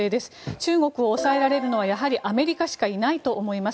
中国を抑えられるのはやはりアメリカしかいないと思います。